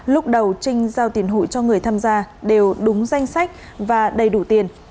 lúc đầu trinh giao tiền hụi cho người tham gia đều đúng danh sách và đầy đủ tiền